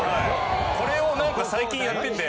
これを最近やってて。